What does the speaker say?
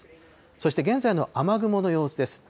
そして現在の雨雲の様子です。